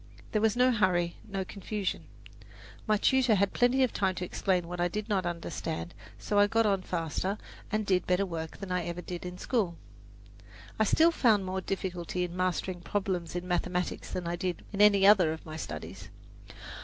There was no hurry, no confusion. My tutor had plenty of time to explain what I did not understand, so I got on faster and did better work than I ever did in school. I still found more difficulty in mastering problems in mathematics than I did in any other of my studies.